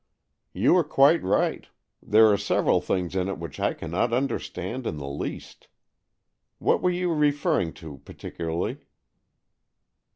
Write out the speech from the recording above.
"You are quite right. There are several things in it which I cannot understand in the least. What were you referring to particularly